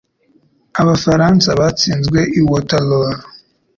Abafaransa batsinzwe i Waterloo.